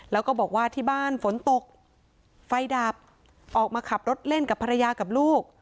แล้วก็บอกว่าที่บ้านฝนตกไฟดับออกมาขับรถเล่นกับภรรยากับลูก